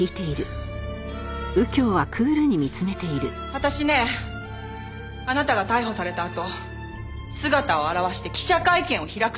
私ねあなたが逮捕されたあと姿を現して記者会見を開くつもりだったのよ。